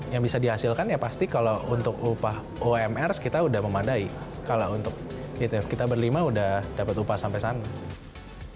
yang bisa dihasilkan ya pasti kalau untuk upah umr kita udah memadai kalau untuk kita berlima udah dapat upah sampai sana